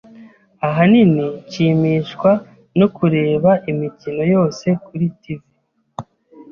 Ahanini, Nshimishwa no kureba imikino yose kuri TV.